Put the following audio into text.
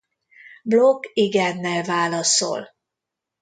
Block igennel válaszol.